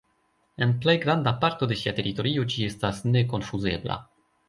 En plej granda parto de sia teritorio ĝi estas nekonfuzebla.